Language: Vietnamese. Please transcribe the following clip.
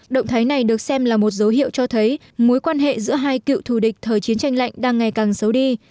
động thái này được xem là một dấu hiệu cho thấy mối quan hệ giữa hai cựu thù địch thời chiến tranh lạnh đang ngày càng xấu đi